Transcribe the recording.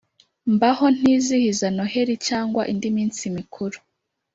Mbaho ntizihiza Noheli cyangwa indi minsi mikuru.